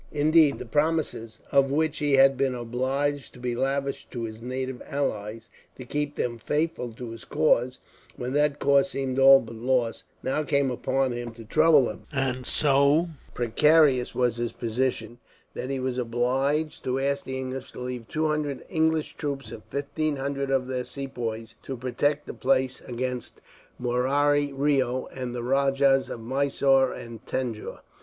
Indeed, the promises, of which he had been obliged to be lavish to his native allies, to keep them faithful to his cause, when that cause seemed all but lost, now came upon him to trouble him; and so precarious was his position, that he was obliged to ask the English to leave two hundred English troops, and fifteen hundred of their Sepoys, to protect the place against Murari Reo, and the Rajahs of Mysore and Tanjore.